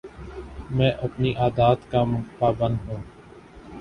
میں اپنی عادات کا پابند ہوں